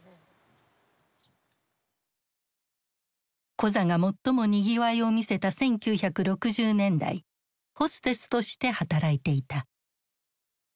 コザが最もにぎわいを見せた１９６０年代ホステスとして働いていた。